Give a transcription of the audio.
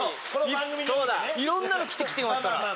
いろんなの着て来てますから。